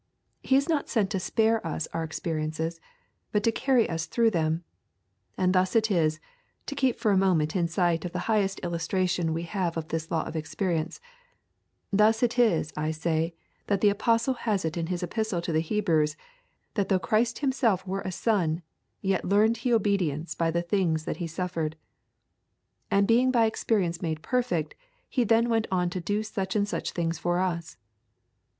He is not sent to spare us our experiences, but to carry us through them. And thus it is (to keep for a moment in sight of the highest illustration we have of this law of experience), thus it is, I say, that the apostle has it in his Epistle to the Hebrews that though Christ Himself were a Son, yet learned He obedience by the things that He suffered. And being by experience made perfect He then went on to do such and such things for us.